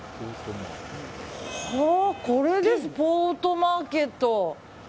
これです、ポートマーケット。